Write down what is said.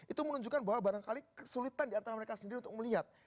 itu menunjukkan bahwa barangkali kesulitan diantara mereka sendiri untuk melihat